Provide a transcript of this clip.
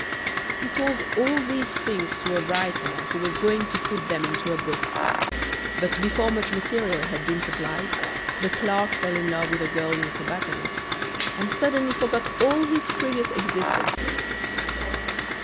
He told all these things to a writer who was going to put them into a book, but before much material had been supplied the clerk fell in love with a girl in a tobacconist's and suddenly forgot all his previous existences.